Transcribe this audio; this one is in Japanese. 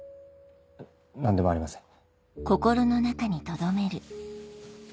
何でもありません